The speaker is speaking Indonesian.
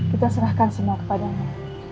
kita serahkan semua kepadanya